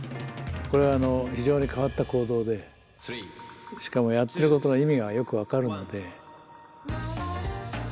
これは非常に変わった行動でしかもやってることの意味がよく分かるので。